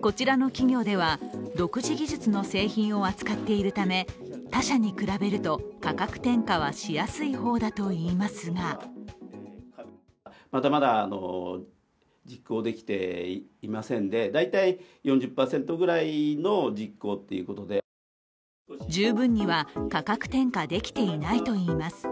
こちらの企業では独自技術の製品を扱っているため他社に比べると価格転嫁はしやすい方だといいますが十分には価格転嫁できていないといいます。